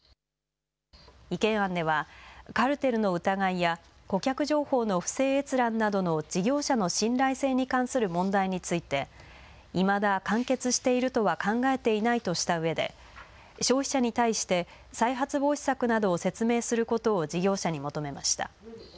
意見案ではカルテルの疑いや顧客情報の不正閲覧などの事業者の信頼性に関する問題についていまだ完結しているとは考えていないとしたうえで消費者に対して再発防止策などを説明することを事業者に求めました。